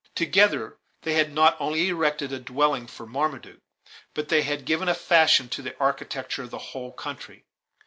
Together, they had not only erected a dwelling for Marmaduke, but they had given a fashion to the architecture of the whole county.